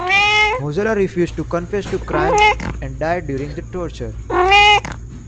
Mozola refused to confess to the crimes and died during the torture.